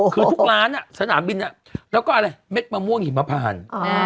คือทุกร้านสนามบินแล้วก็อะไรเม็ดมะม่วงหิมพาน